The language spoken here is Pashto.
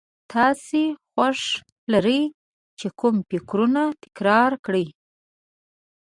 تاسې خوښه لرئ چې کوم فکرونه تکرار کړئ.